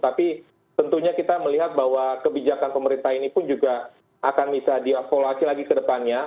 tapi tentunya kita melihat bahwa kebijakan pemerintah ini pun juga akan bisa diavoluasi lagi ke depannya